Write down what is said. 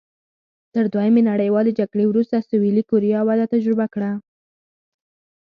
تر دویمې نړیوالې جګړې وروسته سوېلي کوریا وده تجربه کړه.